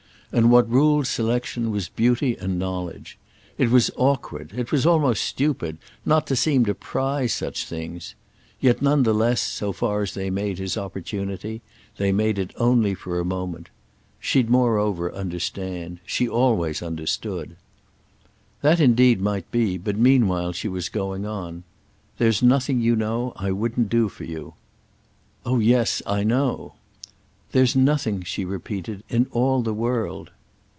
And what ruled selection was beauty and knowledge. It was awkward, it was almost stupid, not to seem to prize such things; yet, none the less, so far as they made his opportunity they made it only for a moment. She'd moreover understand—she always understood. That indeed might be, but meanwhile she was going on. "There's nothing, you know, I wouldn't do for you." "Oh yes—I know." "There's nothing," she repeated, "in all the world."